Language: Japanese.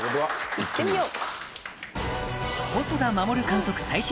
行ってみよう。